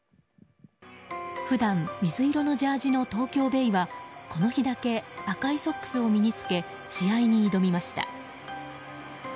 普段、水色のジャージーの東京ベイはこの日だけ赤いソックスを身に着け試合に挑みました。